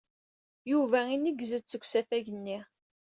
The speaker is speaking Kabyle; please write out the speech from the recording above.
Yuba ineggez-d seg usafag-nni.